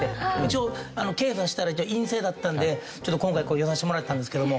一応検査したら陰性だったんでちょっと今回来させてもらったんですけども。